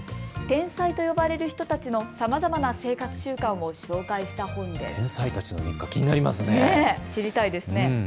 天才と呼ばれる人たちのさまざまな生活習慣を紹介した本です。